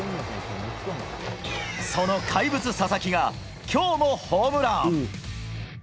その怪物、佐々木が今日もホームラン。